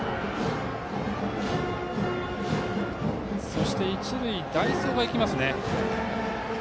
そして一塁代走がいきますね。